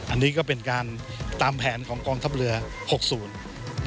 อันนี้ก็เป็นการตามแผนของกองทัพเรือ๖๐